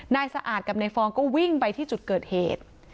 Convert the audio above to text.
สะอาดกับนายฟองก็วิ่งไปที่จุดเกิดเหตุ